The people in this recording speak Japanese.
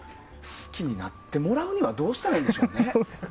好きになってもらうにはどうしたらいいでしょうね。